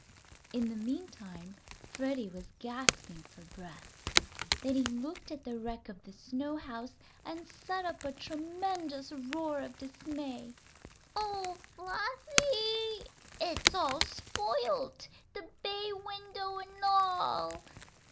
In the meantime Freddie was gasping for breath. Then he looked at the wreck of the snow house and set up a tremendous roar of dismay. "Oh, Flossie, it's all spoilt! The bay window an' all!"